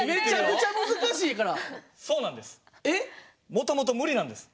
もともと無理なんです。